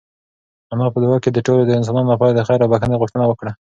انا په دعا کې د ټولو انسانانو لپاره د خیر او بښنې غوښتنه وکړه.